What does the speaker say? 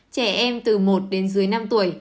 trẻ em từ một đến dưới năm tuổi